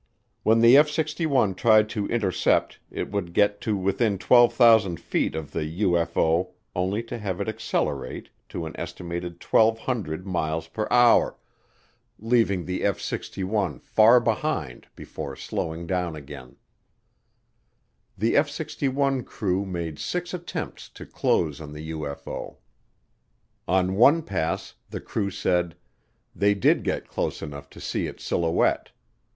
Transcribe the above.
When the F 61 tried to intercept it would get to within 12,000 feet of the UFO only to have it accelerate to an estimated 1,200 miles per hour, leaving the F 61 far behind before slowing down again. The F 61 crew made six attempts to close on the UFO. On one pass, the crew said, they did get close enough to see its silhouette.